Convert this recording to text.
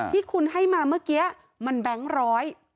ที่คุณให้มาเมื่อกี้มันแบงค์ร้อย